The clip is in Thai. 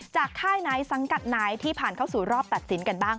ค่ายไหนสังกัดไหนที่ผ่านเข้าสู่รอบตัดสินกันบ้าง